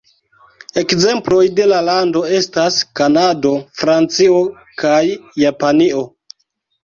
Ekzemploj de lando estas Kanado, Francio, kaj Japanio.